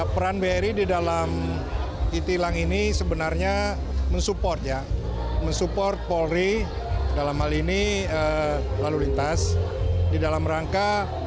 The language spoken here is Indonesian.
peran bri di dalam e tilang ini sebenarnya